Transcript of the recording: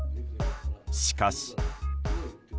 しかし。